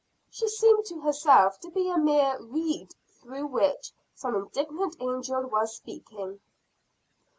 She seemed to herself to be a mere reed through which some indignant angel was speaking.